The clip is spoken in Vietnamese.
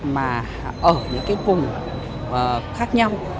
mà ở những cái vùng khác nhau